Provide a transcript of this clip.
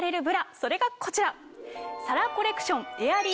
それがこちら。